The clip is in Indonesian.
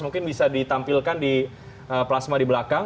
mungkin bisa ditampilkan di plasma di belakang